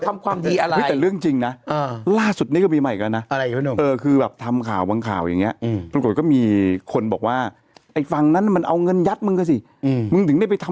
ไม่เคยซื้อหวยเล่นแต่สล็อต